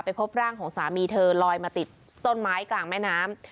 พบร่างของสามีเธอลอยมาติดต้นไม้กลางแม่น้ำ